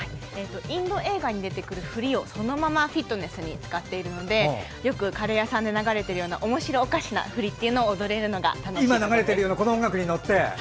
インド映画に出てくる振りをそのままフィットネスに使っているのでよくカレー屋さんで流れているようなおもしろおかしな振り付けを踊れるのが楽しいところです。